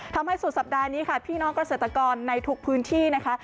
ทำให้สุดสัปดาห์นี้ค่ะพี่น้องเกษตรกรในทุกพื้นที่นะคะ